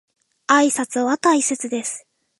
挨拶は大切です。